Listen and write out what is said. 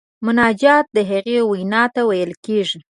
مناجات هغې وینا ته ویل کیږي.